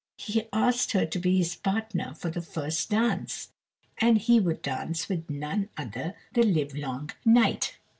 He asked her to be his partner for the first dance, and he would dance with none other the live long night.